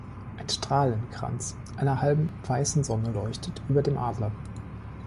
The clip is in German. Ein Strahlenkranz einer halben weißen Sonne leuchtet über dem Adler.